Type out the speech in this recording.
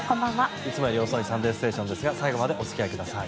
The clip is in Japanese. いつもより遅い「サンデーステーション」ですが最後までお付き合いください。